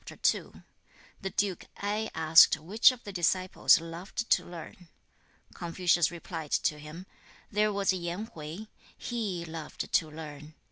II. The Duke Ai asked which of the disciples loved to learn. Confucius replied to him, 'There was Yen Hui; HE loved to learn.